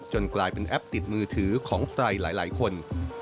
กลายเป็นแอปติดมือถือของใครหลายคน